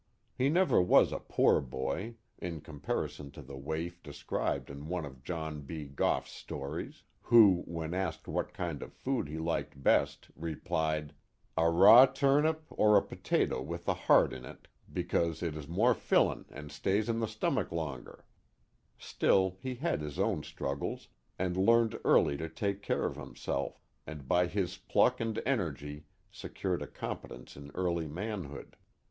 He never was a poor boy, in comparison to the waif described in one of John B. Cough's stories, who, when asked what kind of food he liked best, replied, A raw turnip, or a potato with a heart in it, because it is more fillin' and stays in the stomach longer *'; still, he had his own struggles, and learned early to take care of himself, and by his pluck and energy secured a competence in early manhood.